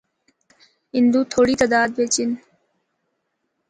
ہندو تھوڑی تعداد بچ ہن۔